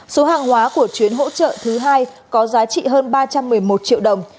số hàng hóa của chuyến hỗ trợ thứ hai có giá trị hơn ba trăm một mươi một triệu đồng